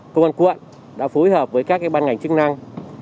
công an quận đã phối hợp với các ban ngành chức năng